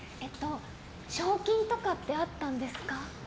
賞金とかってあったんですか？